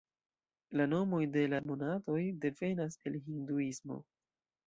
La nomoj de la monatoj devenas el Hinduismo.